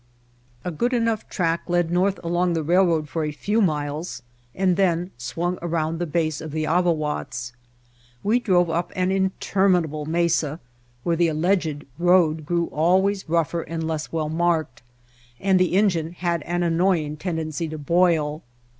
A good enough track led north along the rail road for a few miles and then swung around the base of the Avawatz. We drove up an inter minable mesa where the alleged road grew al ways rougher and less well marked, and the engine had an annoying tendency to boil.